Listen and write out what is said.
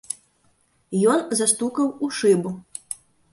Ён застукаў у шыбу.